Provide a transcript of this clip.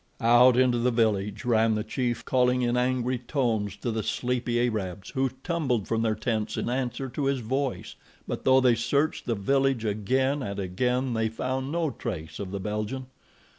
Out into the village ran the chief, calling in angry tones to the sleepy Arabs, who tumbled from their tents in answer to his voice. But though they searched the village again and again they found no trace of the Belgian.